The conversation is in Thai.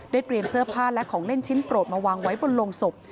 เตรียมเสื้อผ้าและของเล่นชิ้นโปรดมาวางไว้บนโรงศพ